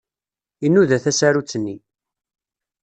Inuda tasarut-nni.